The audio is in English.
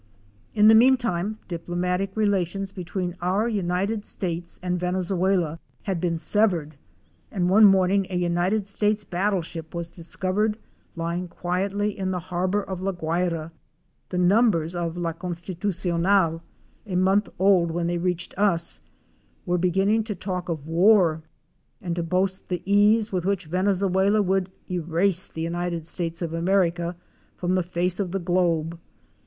In the meantime diplomatic relations between our United States and Venezuela had been severed and one morning a United States battleship was discovered lying quietly in the harbor of La Guayra. The numbers of Ja Constitucional — a month old when they reached us — were beginning to talk of war and to boast of the ease with which Venezuela would erase the United States of America from the face of the globe.